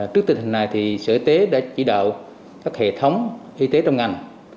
trước tình hình này sở y tế đã chỉ đạo các hệ thống y tế trong ngành